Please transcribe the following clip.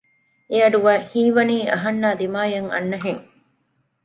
އެ އަޑު ހީވަނީ އަހަންނާއި ދިމާލަށް އަންނަހެން